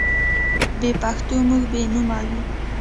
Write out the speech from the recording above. بې پښتوه موږ بې نومه یو.